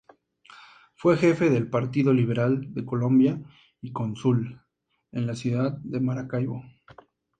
Fue Jefe del Partido Liberal de Colombia y cónsul en la ciudad de Maracaibo.